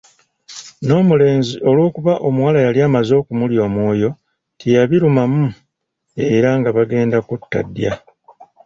N’omulenzi olw’okuba omuwala yali amaze okumulya omwoyo teyabirumamu era nga bagenda kutta ddya.